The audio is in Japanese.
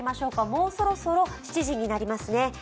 もうそろそろ７時になりますね。